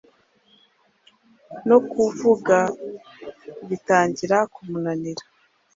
no kuvuga bitangira kumunanira.